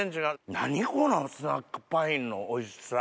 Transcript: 何このスナックパインのおいしさ。